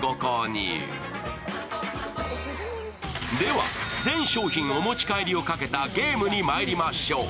では、全商品お持ち帰りをかけたゲームにまいりましょう。